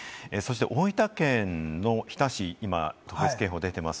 大分県の日田市、今、特別警報が出ています。